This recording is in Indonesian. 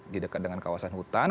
didekat dengan kawasan hutan